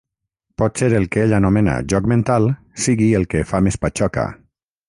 Potser el que ell anomena "joc mental" sigui el que fa més patxoca.